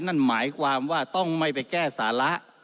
นั่นหมายความว่าต้องไม่ไปแก้สาระ